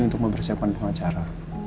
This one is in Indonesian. untuk mempersiapkan pengacara